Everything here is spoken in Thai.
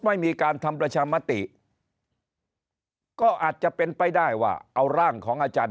ไม่มีการทำประชามติก็อาจจะเป็นไปได้ว่าเอาร่างของอาจารย์